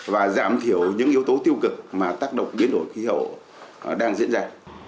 và giảm thiểu những yếu tố tiêu cực mà tác động biến đổi khí hậu đang diễn ra